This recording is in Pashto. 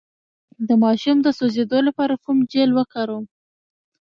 د ماشوم د سوځیدو لپاره کوم جیل وکاروم؟